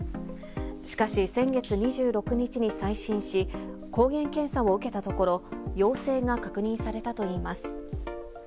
しかし先月２６日に再診し、抗原検査を受けたところ、陽性が確認されたといいます。